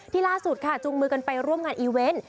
ล่าสุดค่ะจุงมือกันไปร่วมงานอีเวนต์